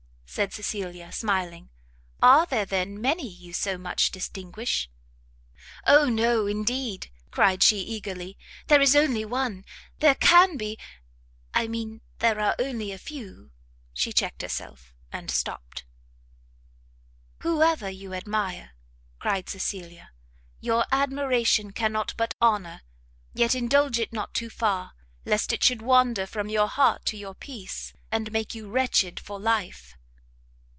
said Cecilia, smiling, "are there, then, many you so much distinguish?" "Oh no indeed!" cried she, eagerly, "there is only one! there can be I mean there are only a few " she checked herself, and stopt. "Whoever you admire," cried Cecilia, "your admiration cannot but honour: yet indulge it not too far, lest it should wander from your heart to your peace, and make you wretched for life."